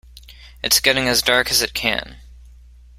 It’s getting as dark as it can.